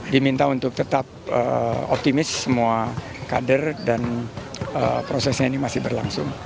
diminta untuk tetap optimis semua kader dan prosesnya ini masih berlangsung